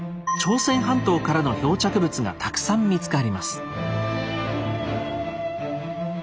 朝鮮半島からの漂着物がたくさん見つかります。